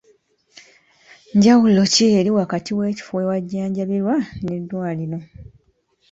Njawulo ki eri wakati w'ekifo ewajjanjabirwa n'eddwaliro.